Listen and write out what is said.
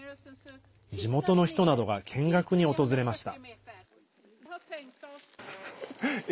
地元の人などが見学に訪れました。